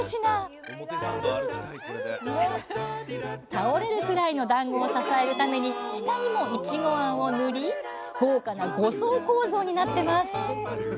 倒れるくらいのだんごを支えるために下にもいちごあんを塗り豪華な５層構造になってます